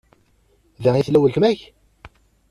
Da i tella uletma-k?